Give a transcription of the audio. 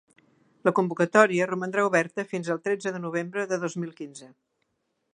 La convocatòria romandrà oberta fins al tretze de novembre de dos mil quinze.